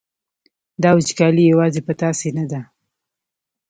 دا وچکالي یوازې په تاسې نه ده.